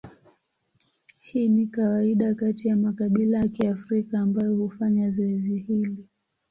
Hii ni kawaida kati ya makabila ya Kiafrika ambayo hufanya zoezi hili.